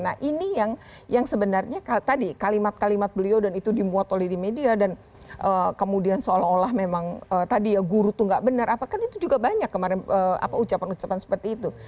nah ini yang sebenarnya tadi kalimat kalimat beliau dan itu dimuat oleh di media dan kemudian seolah olah memang tadi ya guru itu nggak benar apakah itu juga banyak kemarin ucapan ucapan seperti itu